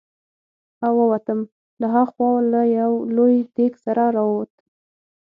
او ووتم، له ها خوا له یو لوی دېګ سره را ووت.